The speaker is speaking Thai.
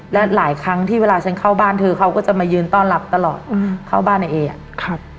และหลายครั้งที่เวลาฉันเข้าบ้านเธอเขาก็จะมายืนต้อนรับตลอดอืมเข้าบ้านในเออ่ะครับ